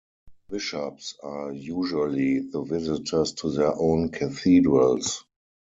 Bishops are usually the visitors to their own cathedrals.